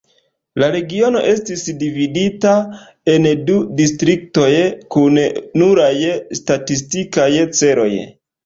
La regiono estis dividata en du distriktoj kun nuraj statistikaj celoj.